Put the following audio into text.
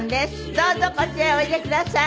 どうぞこちらへおいでください。